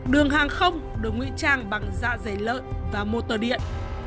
đường hàng không được ngụy trang bằng da dày lợn và motor điện